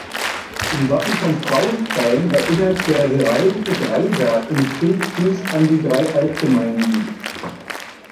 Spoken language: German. Im Wappen von Frauenstein erinnert der heraldische Dreiberg im Schildfuß an die drei Altgemeinden.